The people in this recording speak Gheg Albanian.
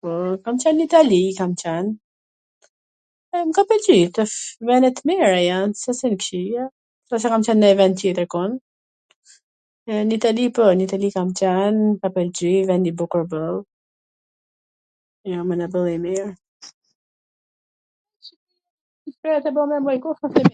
poo, kam qen n Itali, kam qwn, e m ka pwlqy, tash vene t mira jan, s asht se jan t kqia, ndonse s kam qen n nonj ven tjeterkun, n Itali po, n Itali kam qwn, m ka pwlq, ven i bukur boll,...